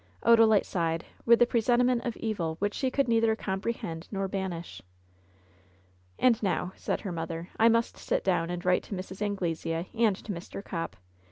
Odalite sighed, with a presentiment of evil which she could neither comprehend nor banish. "And now," said her mother, "I must sit down and write to Mrs. Anglesea and to Mr. Copp.